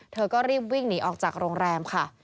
เธอก็รีบวิ่งหนีออกจากโรงแรมค่ะ